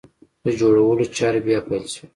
د جوړولو چارې بیا پیل شوې!